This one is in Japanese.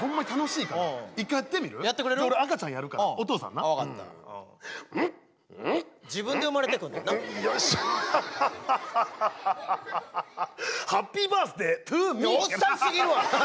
いやおっさんすぎるわ！